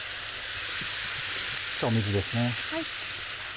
水ですね。